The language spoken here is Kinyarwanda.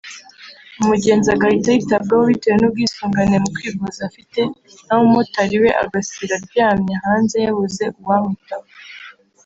umugenzi agahita yitabwaho bitewe n’ubwisungane mu kwivuza afite naho Umumotari we agasira aryamye hanze yabuze uwamwitaho